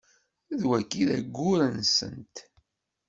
D wagi i d ayyur-nsent.